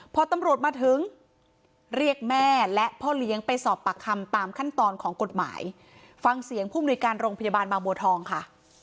พอตำรวจมาถึงเรียกแม่และพ่อเลี้ยงไปสอบปากคำตามขั้นตอนของกฎหมายฟังเสียงผู้มนุยการโรงพยาบาลบางบัวทองค่ะ